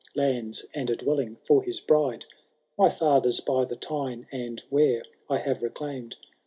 Lands and a dwelling for his bride^* My £Either's by the Tyne and Wear I have reclaimed.